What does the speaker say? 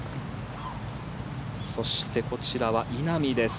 そしてこちらは稲見です。